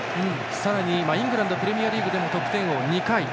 さらにイングランドプレミアリーグでの得点王２回。